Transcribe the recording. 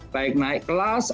baik naik kelas